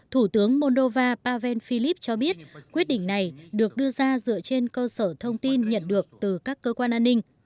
thủ tướng moldova paven philip cho biết quyết định này được đưa ra dựa trên cơ sở thông tin nhận được từ các cơ quan an ninh